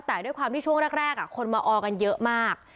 แต่ด้วยความที่ช่วงแรกคนมาออกันเยอะมาก